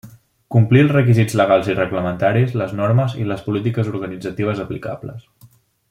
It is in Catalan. Complir els requisits legals i reglamentaris, les normes i les polítiques organitzatives aplicables.